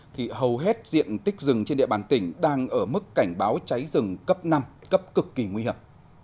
thì hầu hết diện tích rừng trên địa bàn tỉnh đang ở mức cảnh báo cháy rừng cấp năm cấp cực kỳ nguy hiểm